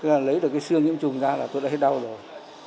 lấy được cái xương nhiễm trùng ra là tôi đã hết đau rồi